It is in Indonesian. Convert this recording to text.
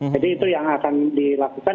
jadi itu yang akan dilakukan